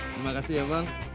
terima kasih ya bang